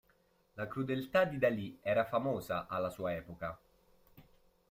La crudeltà di Dali era famosa alla sua epoca.